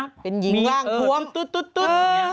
มีโปรดไล่เนี่ย